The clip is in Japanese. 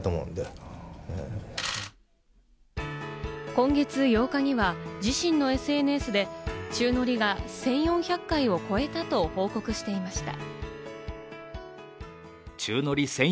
今月８日には自身のＳＮＳで、宙乗りが１４００回を超えたと報告していました。